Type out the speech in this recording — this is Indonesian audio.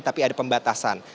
tapi ada pembatasan